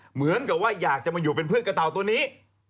เหมือนกับว่าอยากจะมาอยู่เป็นพืชกระเต่าตัวนี้